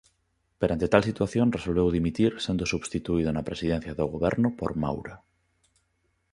Perante tal situación resolveu dimitir sendo substituído na Presidencia do Goberno por Maura.